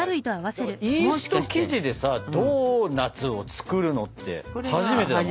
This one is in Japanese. イースト生地でさドーナツを作るのって初めてだね。